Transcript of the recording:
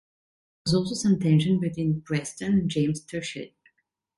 There was also some tension between Preston and James Tuchet.